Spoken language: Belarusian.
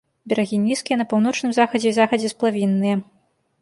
Берагі нізкія, на паўночным захадзе і захадзе сплавінныя.